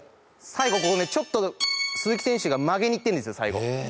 「最後ここねちょっと鈴木選手が曲げにいってるんですよ最後」